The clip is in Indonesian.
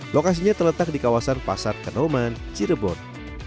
lokasinya terletak di kawasan pasar kanoman cirebon